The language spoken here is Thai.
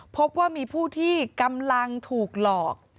พบว่ามีผู้ที่กำลังถูกหลอก